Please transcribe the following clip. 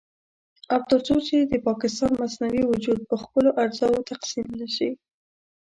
او تر څو چې د پاکستان مصنوعي وجود پر خپلو اجزاوو تقسيم نه شي.